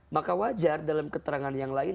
maka wajar dalam keterangan yang lain